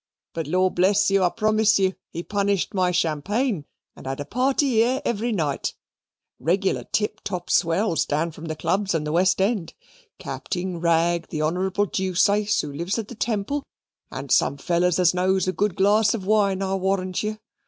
But, Law bless you, I promise you, he punished my champagne, and had a party ere every night reglar tip top swells, down from the clubs and the West End Capting Ragg, the Honorable Deuceace, who lives in the Temple, and some fellers as knows a good glass of wine, I warrant you.